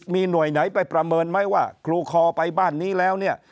มีหน่วยไหนไปประเมินไหมว่าครูคอไปบ้านนี้แล้วเนี่ย